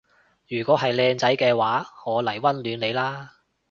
如果係靚仔嘅話我嚟溫暖你啦